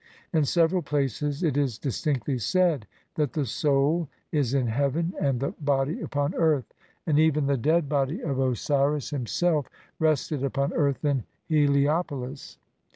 In several places it is distinctly said that the "soul is in heaven, and the body upon earth",' and even the dead body of Osiris himself rested upon earth in Heliopolis (see p.